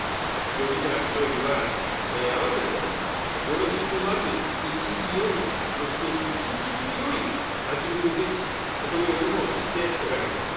吉田松陰は、あわせてよろしくまずいちじより、そして一日よりはじうるべし、このように言っておられます。